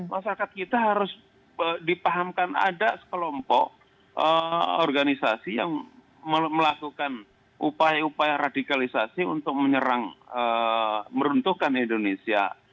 masyarakat kita harus dipahamkan ada sekelompok organisasi yang melakukan upaya upaya radikalisasi untuk menyerang meruntuhkan indonesia